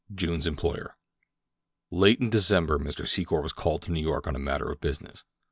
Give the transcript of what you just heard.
— JUNE'S EMPLOYER Late in December Mr. Secor was called to New York on a matter of business.